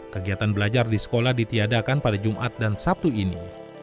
kegiatan belajar di sekolah ditiadakan pada jumat dan sabtu ini